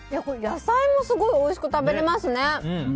これ野菜もすごいおいしく食べられますね。